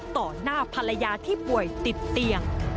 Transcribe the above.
ต่อหน้าภรรยาที่ป่วยติดเตียง